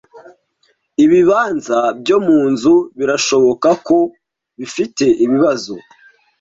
Ibibanza byo munzu birashoboka ko bifite ibibazo.